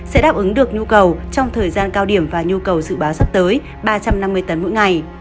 sẽ đáp ứng được nhu cầu trong thời gian cao điểm và nhu cầu dự báo sắp tới ba trăm năm mươi tấn mỗi ngày